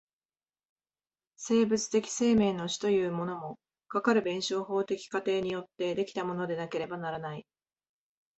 生物的生命の種というものも、かかる弁証法的過程によって出来たものでなければならない。